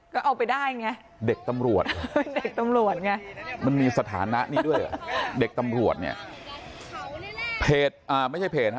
ก็เอาไปได้ไงเด็กตำรวจเด็กตำรวจไงมันมีสถานะนี้ด้วยเด็กตำรวจ